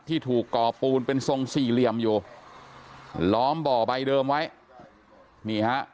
ที่ถูกก่อปูนเป็นทรงสี่เหลี่ยมอยู่ล้อมบ่อใบเดิมไว้นี่ฮะ